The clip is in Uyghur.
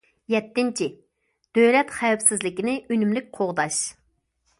يەتتىنچى، دۆلەت خەۋپسىزلىكىنى ئۈنۈملۈك قوغداش.